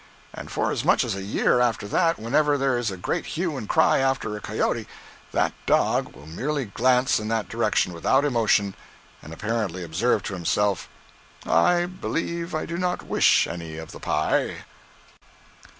And for as much as a year after that, whenever there is a great hue and cry after a cayote, that dog will merely glance in that direction without emotion, and apparently observe to himself, "I believe I do not wish any of the pie."